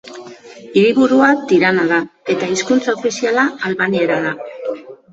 Hiriburua Tirana da eta hizkuntza ofiziala albaniera da.